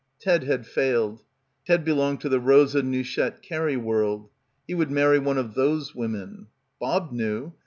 Ted had failed. Ted belonged to the Rosa Nouchette Carey world. He would marry one of those women. Bob knew.